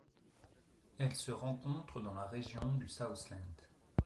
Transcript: Elle se rencontre dans la région du Southland.